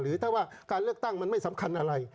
ถ้าว่าการเลือกตั้งมันไม่สำคัญอะไร